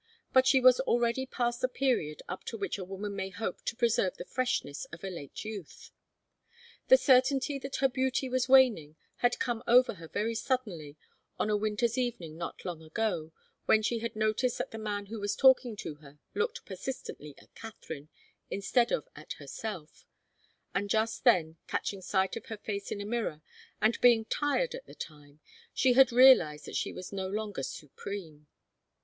But she was already past the period up to which a woman may hope to preserve the freshness of a late youth. The certainty that her beauty was waning had come over her very suddenly on a winter's evening not long ago, when she had noticed that the man who was talking to her looked persistently at Katharine instead of at herself; and just then, catching sight of her face in a mirror, and being tired at the time, she had realized that she was no longer supreme.